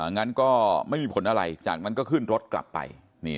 งั้นก็ไม่มีผลอะไรจากนั้นก็ขึ้นรถกลับไป